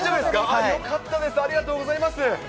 よかったです、ありがとうございます。